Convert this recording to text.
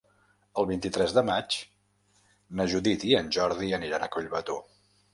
El vint-i-tres de maig na Judit i en Jordi aniran a Collbató.